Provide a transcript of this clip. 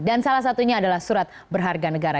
dan salah satunya adalah surat berharga negara